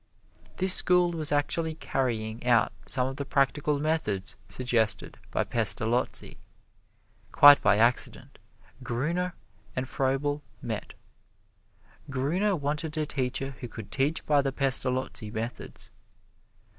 This school was actually carrying out some of the practical methods suggested by Pestalozzi. Quite by accident Gruner and Froebel met. Gruner wanted a teacher who could teach by the Pestalozzi methods.